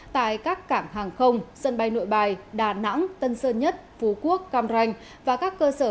tại các cảng hàng không sân bay nội bài đà nẵng tân sơn nhất phú quốc cam ranh và các cơ sở